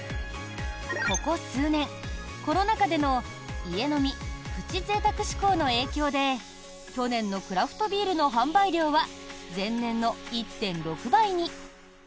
ここ数年、コロナ禍での家飲みプチぜいたく志向の影響で去年のクラフトビールの販売量は前年の１．６倍に。